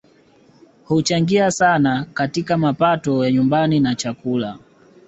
Huchangia sana katika mapato ya nyumbani na chakula